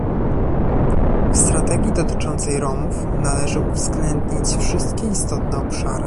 W strategii dotyczącej Romów należy uwzględnić wszystkie istotne obszary